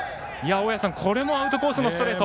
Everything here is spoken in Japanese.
大矢さん、これもアウトコースのストレート。